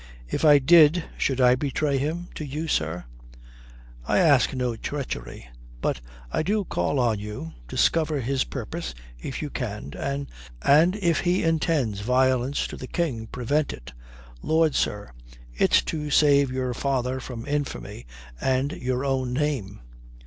"If I did, should I betray him to you, sir?" "I ask no treachery. But I do call on you, discover his purpose if you can, and if he intends violence to the King, prevent it. Lord, sir, it's to save your father from infamy, and your own name."